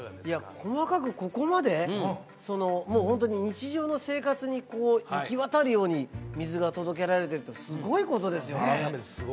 いや細かくここまでそのもうホントに日常の生活に行き渡るように水が届けられてるってすごいことですよね